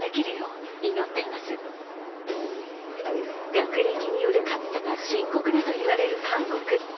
学歴による格差が深刻だといわれる韓国。